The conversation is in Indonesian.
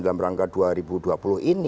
dalam rangka dua ribu dua puluh ini